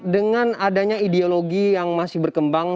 dengan adanya ideologi yang masih berkembang